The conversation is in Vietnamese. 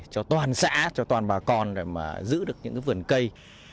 cho toàn xã cho toàn bà con để mà giữ được những cái vườn cây